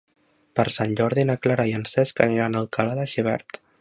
Per Sant Jordi na Clara i en Cesc aniran a Alcalà de Xivert.